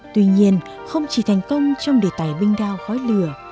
tuy nhiên không chỉ thành công trong đề tài binh đao khói lửa